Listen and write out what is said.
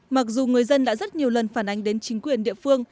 mặc dù người dân đã rất nhiều lần phản ánh đến chính quyền địa phương